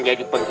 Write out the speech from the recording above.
he di kaki